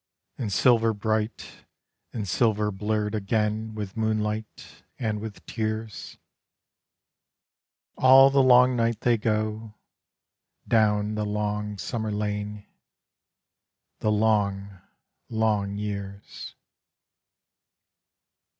And silver bright, and silver blurred again With moonlight and with tears. All the long night they go, down the long summer lane, The long, long years.